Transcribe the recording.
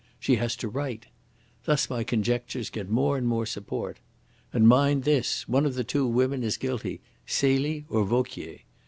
She has to write. Thus my conjectures get more and more support. And, mind this, one of the two women is guilty Celie or Vauquier.